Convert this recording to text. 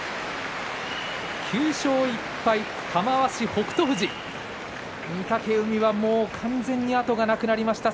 ９勝１敗、玉鷲、北勝富士御嶽海はもう完全に後がなくなりました。